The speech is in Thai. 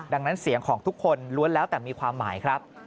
ดังนั้นเสียงของทุกคนล้วนแล้วแต่มีความหมายครับ